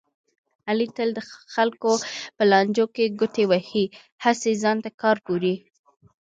علي تل د خلکو په لانجو کې ګوتې وهي، هسې ځان ته کار ګوري.